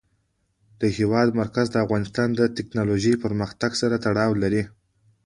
د هېواد مرکز د افغانستان د تکنالوژۍ پرمختګ سره تړاو لري.